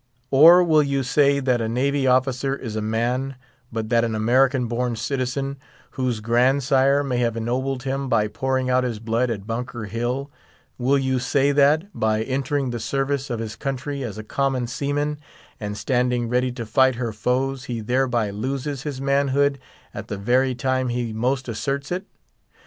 Or will you say that a navy officer is a man, but that an American born citizen, whose grandsire may have ennobled him by pouring out his blood at Bunker Hill—will you say that, by entering the service of his country as a common seaman, and standing ready to fight her foes, he thereby loses his manhood at the very time he most asserts it?